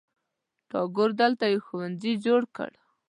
ټاګور دلته یو ښوونځي جوړ کړ.